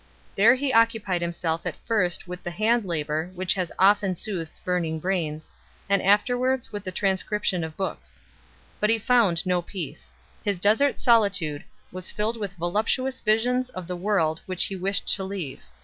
There he occupied himself at first with the hand labour which has often soothed burning brains, and afterwards with the transcription of books. But he found no peace. His desert solitude was filled with voluptuous visions of the world which he wished to leave.